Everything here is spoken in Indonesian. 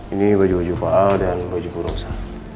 ini baju baju pak al dan baju purwosa